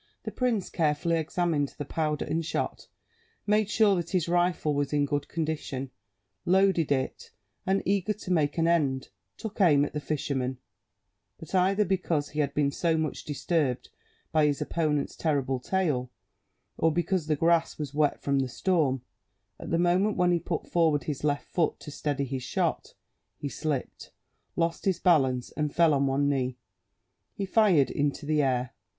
The prince carefully examined the powder and shot, made sure that his rifle was in good condition; loaded it, and, eager to make an end, took aim at the fisherman; but, either because he had been so much disturbed by his opponent's terrible tale, or, because the grass was wet from the storm, at the moment when he put forward his left foot to steady his shot, he slipped, lost his balance and fell on one knee. He fired into the air.